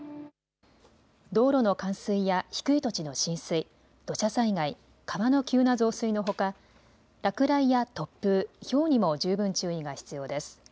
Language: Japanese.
道路の冠水や低い土地の浸水、土砂災害、川の急な増水のほか落雷や突風、ひょうにも十分注意が必要です。